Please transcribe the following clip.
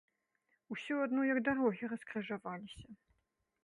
Усё адно як дарогі раскрыжаваліся!